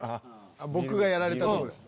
僕がやられたとこ。